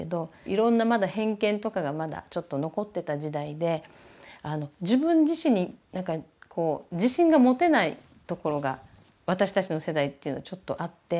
いろんなまだ偏見とかがまだちょっと残ってた時代で自分自身になんかこう自信が持てないところが私たちの世代っていうのはちょっとあって。